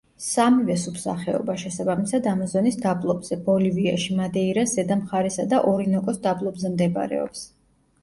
სამივე სუბსახეობა შესაბამისად ამაზონის დაბლობზე, ბოლივიაში მადეირას ზედა მხარესა და ორინოკოს დაბლობზე მდებარეობს.